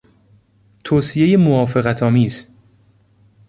توصیهی موافقتآمیز